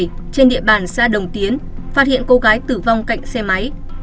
trên địa bàn xã đồng tiến phát hiện cô gái tử vong cạnh xe máy